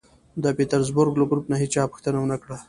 د پېټرزبورګ له ګروپ نه هېچا پوښتنه و نه کړه